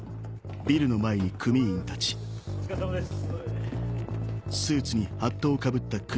お疲れさまです。